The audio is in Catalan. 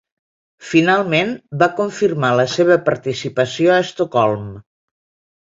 Finalment, va confirmar la seva participació a Estocolm.